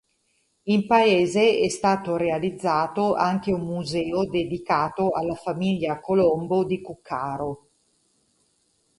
In paese è stato realizzato anche un museo dedicato alla Famiglia Colombo di Cuccaro.